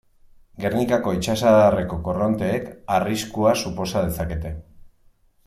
Gernikako itsasadarreko korronteek, arriskua suposa dezakete.